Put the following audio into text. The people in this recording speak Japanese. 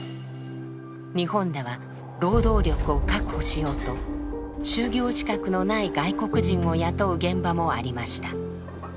日本では労働力を確保しようと就業資格のない外国人を雇う現場もありました。